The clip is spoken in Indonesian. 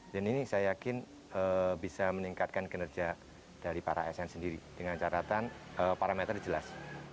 dan ini saya yakin bisa meningkatkan kinerja dari para sn sendiri dengan catatan parameter jelas